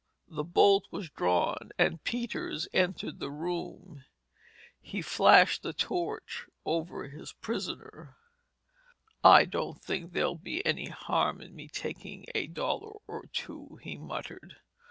The bolt was drawn, and Peters entered the room. He flashed the torch over his prisoner. "I don't think there'll be any harm in me takin' a dollar or two," he muttered.